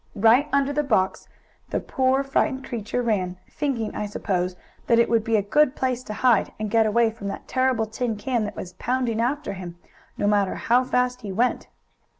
Right under the box the poor, frightened creature ran, thinking, I suppose, that it would be a good place to hide and get away from that terrible tin can that was pounding after him, no matter how fast he went.